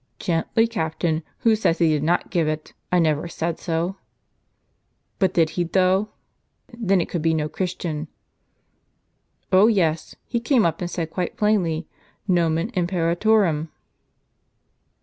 " Gently, captain ; who says he did not give it? I never said so." " But did he, though ? Then it could be no Christian." •' Oh yes, he came up, and said quite plainly, ' Nomen Imperatorum.''